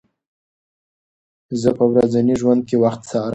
زه په ورځني ژوند کې وخت څارم.